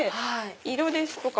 色ですとか